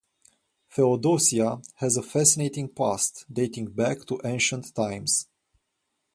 Feodosia has a fascinating past, dating back to ancient times.